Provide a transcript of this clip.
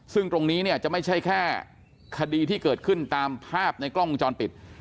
ซึ่งตรงนี้เนี่ยจะไม่ใช่แค่คดีที่เกิดขึ้นตามภาพในกล้องวงจรปิด